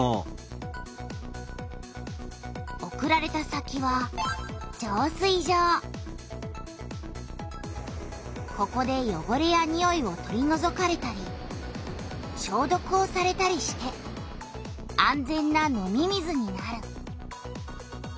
送られた先はここでよごれやにおいを取りのぞかれたりしょうどくをされたりして安全な飲み水になる。